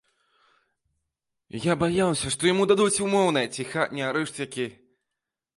Я баяўся, што яму дадуць умоўнае ці хатні арышт які.